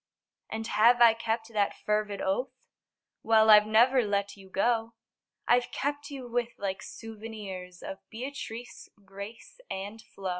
And have I kept that fervid oath? Well I've never let you go: I've kept you with like souvenirs Of Beatrice, Grace and Flo.